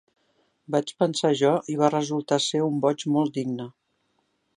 Vaig pensar jo, i va resultar ser un boig molt digne.